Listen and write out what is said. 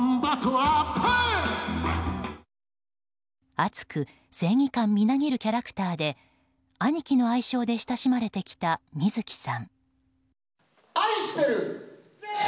熱く正義感みなぎるキャラクターでアニキの愛称で親しまれてきた水木さん。